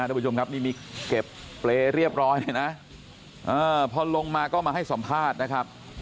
ทุกผู้ชมครับนี่มีเก็บเปรย์เรียบร้อยเลยนะพอลงมาก็มาให้สัมภาษณ์นะครับ